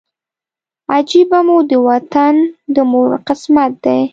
عجیبه مو د وطن د مور قسمت دی